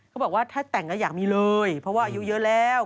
เขาบอกว่าถ้าแต่งก็อยากมีเลยเพราะว่าอายุเยอะแล้ว